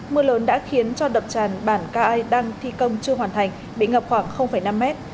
mưa lớn đã khiến cho đập tràn bản ca ai đang thi công chưa hoàn thành bị ngập khoảng năm mét